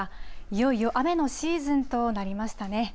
いよいよ雨のシーズンとなりましたね。